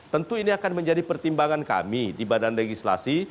tentu ini akan menjadi pertimbangan kami di badan legislasi